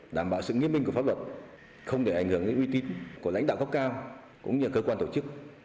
đảm bảo sự nghiêm minh của pháp luật không để ảnh hưởng đến uy tín của lãnh đạo gốc cao cũng như cơ quan tổ chức